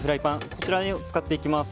こちらを使っていきます。